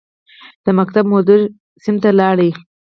د ښوونځي مدیر ټولګي ته لاړ.